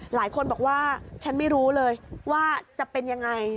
หลายคนบอกว่าฉันไม่รู้เลยว่าจะเป็นยังไง